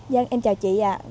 dân em chào chị ạ